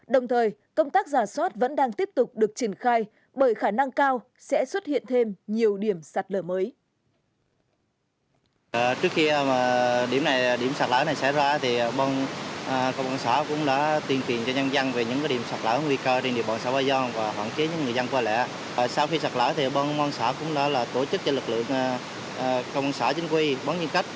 đồng thời công tác giả sót vẫn đang tiếp tục được trình khai bởi khả năng cao sẽ xuất hiện thêm nhiều điểm sạt lở mới